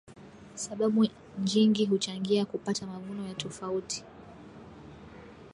Sababu njingi huchangia kupata mavuno ya tofauti